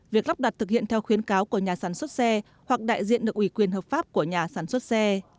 việc lắp đặt thực hiện theo khuyến cáo của nhà sản xuất xe hoặc đại diện được ủy quyền hợp pháp của nhà sản xuất xe